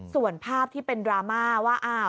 ส่วนภาพที่เป็นดราม่าว่า